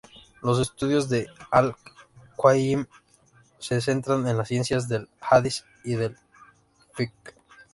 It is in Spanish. Los estudios de al-Qayyim se centran en las ciencias del Hadiz y del Fiqh.